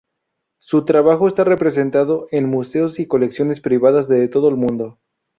Su trabajo está representado en museos y colecciones privadas de todo el mundo.